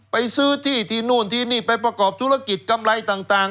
ไปซื้อที่ที่นู่นที่นี่ไปประกอบธุรกิจกำไรต่าง